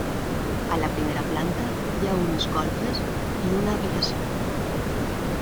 A la primera planta hi ha unes golfes i una habitació.